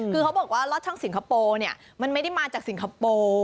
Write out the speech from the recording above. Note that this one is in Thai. คือเขาบอกว่าลอดช่องสิงคโปร์เนี่ยมันไม่ได้มาจากสิงคโปร์